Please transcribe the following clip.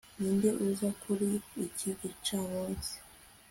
ninde uza kuri iki gicamunsi